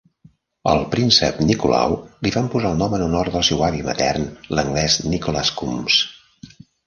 Al príncep Nicolau li van posar el nom en honor del seu avi matern, l'anglès Nicholas Coombs.